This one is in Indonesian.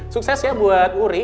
sukses ya buat wuri